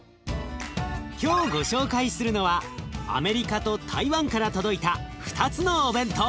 今日ご紹介するのはアメリカと台湾から届いた２つのお弁当。